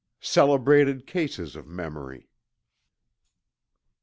CELEBRATED CASES OF MEMORY.